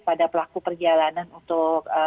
pada pelaku perjalanan untuk